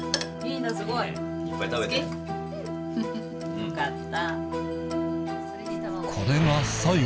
よかった。